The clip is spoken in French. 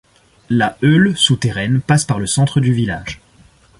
La Heule, souterraine, passe par le centre du village.